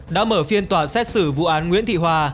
đã mở phiên tòa xét xử vụ án nguyễn thị hòa